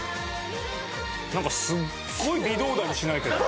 なんかすっごい微動だにしないけど。